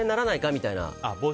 みたいな。